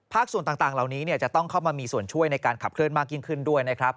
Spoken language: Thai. ส่วนต่างเหล่านี้จะต้องเข้ามามีส่วนช่วยในการขับเคลื่อนมากยิ่งขึ้นด้วยนะครับ